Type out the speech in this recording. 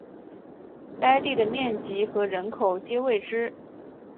该地的面积和人口皆未知。